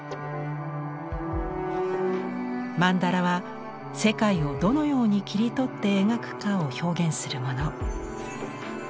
曼荼羅は「世界をどのように切り取って描くか」を表現するもの。